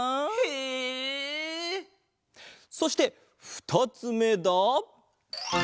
そしてふたつめだ。